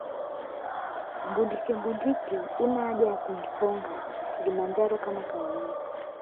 Mbundikebundike huna haja ya kumsonga kilimanjaro kama kawaida